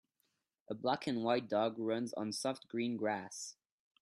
A black and white dog runs on soft green grass